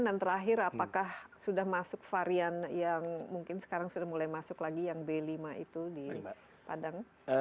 dan terakhir apakah sudah masuk varian yang mungkin sekarang sudah mulai masuk lagi yang b lima itu di padang